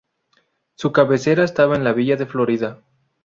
Su cabecera estaba en la Villa de Florida.